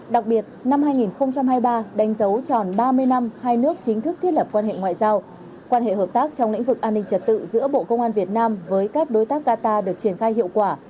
đặc biệt năm hai nghìn hai mươi ba đánh dấu tròn ba mươi năm hai nước chính thức thiết lập quan hệ ngoại giao quan hệ hợp tác trong lĩnh vực an ninh trật tự giữa bộ công an việt nam với các đối tác qatar được triển khai hiệu quả